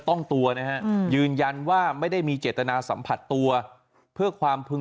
ต้องตัวนะฮะยืนยันว่าไม่ได้มีเจตนาสัมผัสตัวเพื่อความพึง